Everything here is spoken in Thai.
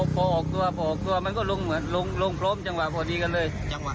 ขอออกตัวขอออกตัวมันก็ลงลงพร้อมจังหวะพอดีกันเลย